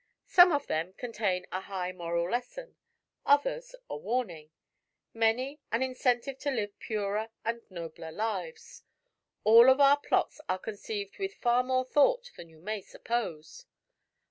Some of them contain a high moral lesson; others, a warning; many, an incentive to live purer and nobler lives. All of our plots are conceived with far more thought than you may suppose.